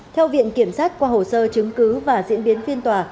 theo viện kiểm sát qua hồ sơ chứng cứ và diễn biến phiên tòa